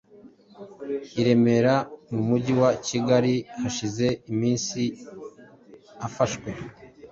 i Remera mu mujyi wa Kigali, hashize iminsi afashwe